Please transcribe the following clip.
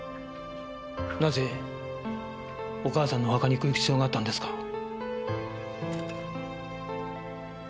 なぜお母さんのお墓に行く必要があったんですか？